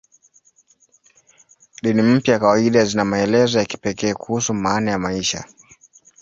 Dini mpya kawaida zina maelezo ya kipekee kuhusu maana ya maisha.